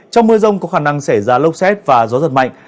trong mưa rông có khả năng xảy ra lốc xét và gió giật mạnh